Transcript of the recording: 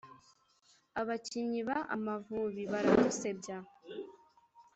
Abakinnyi ba amavubi baradusebya